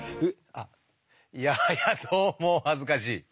あっいやはやどうもお恥ずかしい。